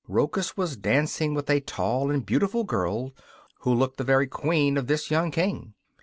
Rochus was dancing with a tall and beautiful girl, who looked the very queen of this young king.